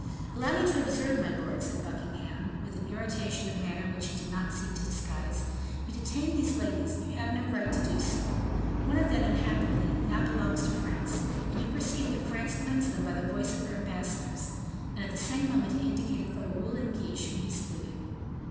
"Allow me to observe, my lord," said Buckingham, with an irritation of manner which he did not seek to disguise, "you detain these ladies, and you have no right to do so. One of them, unhappily, now belongs to France, and you perceive that France claims them by the voice of her ambassadors;" and at the same moment he indicated Raoul and Guiche, whom he saluted.